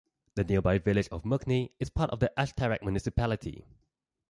The nearby village of Mughni is part of the Ashtarak municipality.